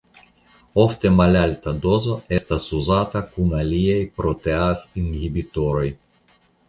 Ofte malalta dozo estas uzata kun aliaj proteazinhibitoroj.